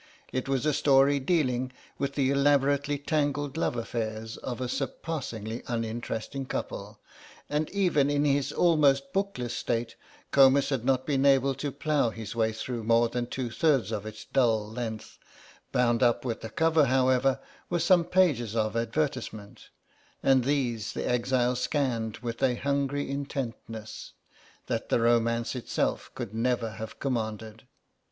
It was a story dealing with the elaborately tangled love affairs of a surpassingly uninteresting couple, and even in his almost bookless state Comus had not been able to plough his way through more than two thirds of its dull length; bound up with the cover, however, were some pages of advertisement, and these the exile scanned with a hungry intentness that the romance itself could never have commanded.